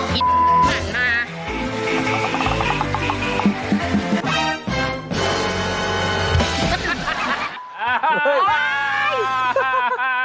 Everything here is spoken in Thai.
กินหลังมา